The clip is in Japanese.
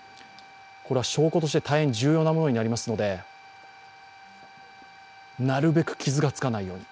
これは証拠として大変重要なものになりますのでなるべく傷がつかないように。